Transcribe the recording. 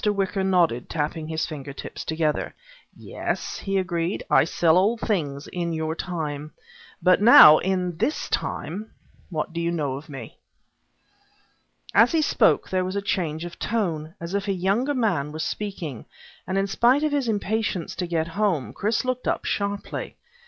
Wicker nodded, tapping his fingertips together. "Yes," he agreed, "I sell old things in your time. But now in this time, what do you know of me?" As he spoke there was a change of tone, as if a younger man was speaking, and in spite of his impatience to get home, Chris looked up sharply.